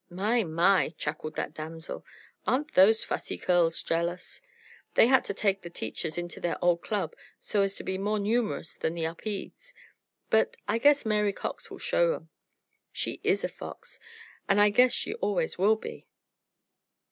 "My, my!" chuckled that damsel, "aren't those Fussy Curls jealous? They had to take the teachers into their old club so as to be more numerous than the Upedes. But I guess Mary Cox will show 'em! She is a fox, and I guess she always will be!"